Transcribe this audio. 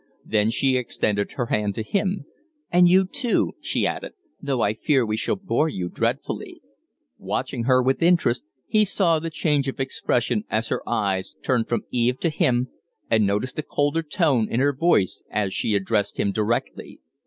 Then she extended her hand to him. "And you, too!" she added. "Though I fear we shall bore you dreadfully." Watching her with interest, he saw the change of expression as her eyes turned from Eve to him, and noticed a colder tone in her voice as she addressed him directly.